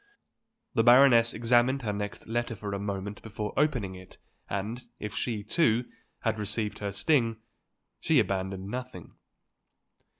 The Baroness examined her next letter for a moment before opening it and if she, too, had received her sting, she abandoned nothing.